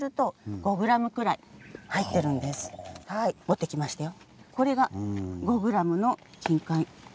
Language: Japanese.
持ってきましたよ。